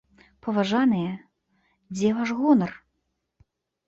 Паважаныя, дзе ваш гонар?